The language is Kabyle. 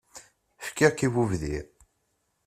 fkiɣ-k i bubdir.